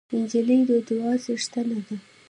نجلۍ د دعاوو څښتنه ده.